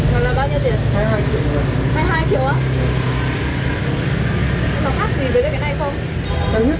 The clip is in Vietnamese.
nó là bao nhiêu tiền